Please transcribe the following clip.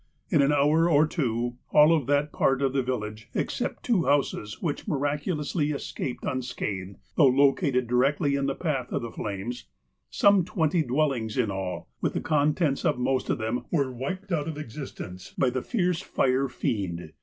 In an hour or two all of that part of the village (except two houses, which miraculously escaped unscathed, though located directly in the path of the flames), some twenty dwellings in all, with the contents of most of them, were wiped out of existence by the fierce fire fiend.